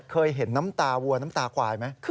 เคยเห็นน้ำตาวัวน้ำตาควายไหม